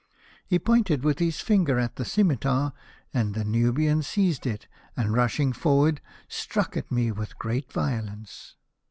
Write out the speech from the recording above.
" He pointed with his finger at the scimitar, and the Nubian seized it, and rushing forward struck at me with great violence.